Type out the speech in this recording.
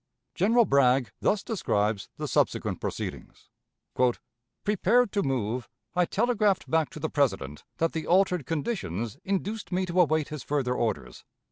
General Bragg thus describes the subsequent proceedings: "Prepared to move, I telegraphed back to the President that the altered conditions induced me to await his further orders.